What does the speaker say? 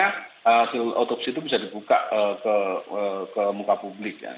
hasil otopsi itu bisa dibuka ke muka publik ya